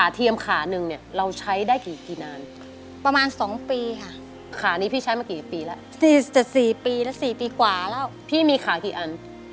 ตอนที่ประโยชน์อุบัติเห็นยังไม่ได้แต่งงาน